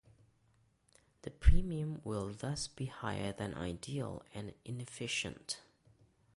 The premium will thus be higher than ideal, and inefficient.